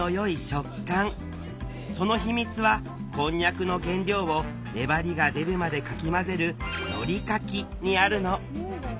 その秘密はこんにゃくの原料を粘りが出るまでかき混ぜる「のりかき」にあるの。